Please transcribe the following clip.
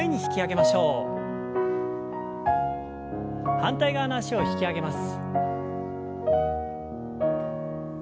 反対側の脚を引き上げます。